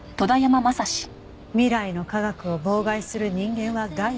未来の科学を妨害する人間は害悪だって。